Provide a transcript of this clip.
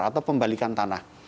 atau pembalikan tanah